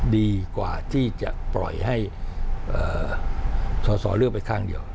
ดีกว่าที่จะปล่อยให้สอสอเลือกไปข้างเดียว